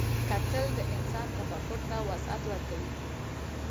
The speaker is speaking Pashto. کتل د انسان تفکر ته وسعت ورکوي